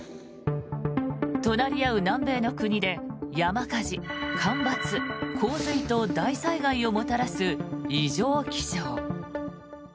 隣り合う南米の国で山火事、干ばつ、洪水と大災害をもたらす異常気象。